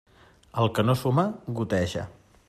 El que no suma, goteja.